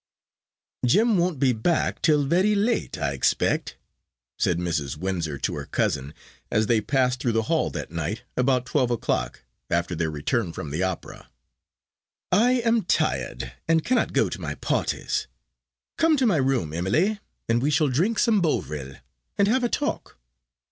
"Jim won't be back till very late, I expect," said Mrs. Windsor to her cousin, as they passed through the hall that night about twelve o'clock, after their return from the opera. "I am tired, and cannot go to my parties. Come to my room, Emily, and we will drink some Bovril, and have a talk.